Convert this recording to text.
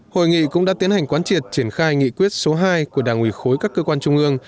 hội nghị cũng đã tiến hành quán triệt triển khai nghị quyết số hai của đảng ủy khối các cơ quan trung ương